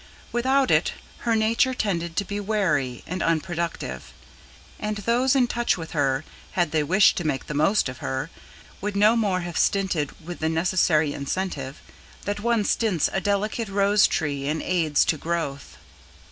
Without it, her nature tended to be wary and unproductive; and those in touch with her, had they wished to make the most of her, would no more have stinted with the necessary incentive, that one stints a delicate rose tree in aids to growth.